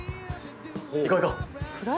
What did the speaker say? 行こう、行こう。